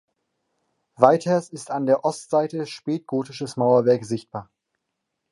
Weiters ist an der Ostseite spätgotisches Mauerwerk sichtbar.